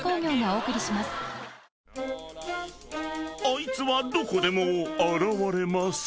［あいつはどこでも現れます］